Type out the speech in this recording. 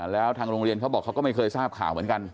แล้วทางโรงเรียนเขาบอกเขาก็ไม่เคยทราบข่าวเหมือนกัน